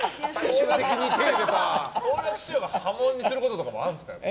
好楽師匠が破門にすることってあるんですか？